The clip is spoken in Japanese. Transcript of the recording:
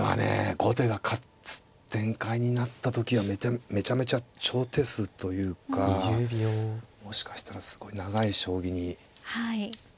後手が勝つ展開になった時はめちゃめちゃ長手数というかもしかしたらすごい長い将棋に。